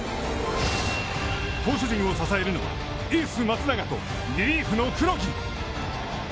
投手陣を支えるのは、エース松永とリリーフの黒木。